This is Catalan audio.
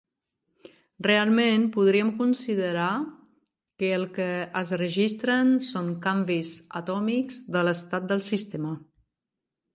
Realment podríem considerar que el que es registren són canvis atòmics de l'estat del sistema.